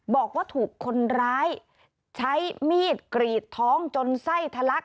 บอกว่าถูกคนร้ายใช้มีดกรีดท้องจนไส้ทะลัก